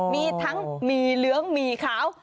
มีทั้งหมี่เหลืองหมี่ขาว